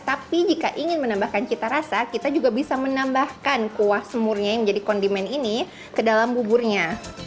tapi jika ingin menambahkan cita rasa kita juga bisa menambahkan kuah semurnya yang menjadi kondimen ini ke dalam buburnya